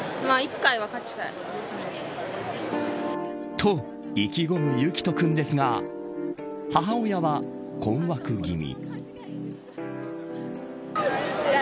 と、意気込む雪兎君ですが母親は困惑気味。